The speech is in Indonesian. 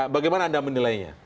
bagaimana anda menilainya